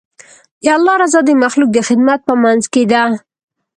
د الله رضا د مخلوق د خدمت په منځ کې ده.